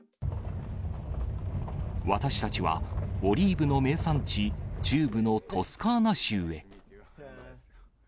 私たちは、オリーブの名産地、中部のトスカーナ州へ。